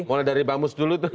mulai dari bamus dulu tuh